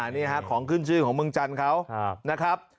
นี่ฮะของขึ้นชื่อของเมืองจันทร์เขานะครับ